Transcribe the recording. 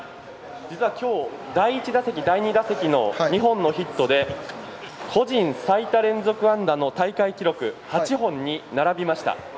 実はきょう第１打席、第２打席の２本のヒットで個人最多連続安打の大会記録８本に並びました。